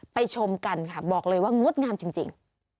ชมกันค่ะบอกเลยว่างดงามจริง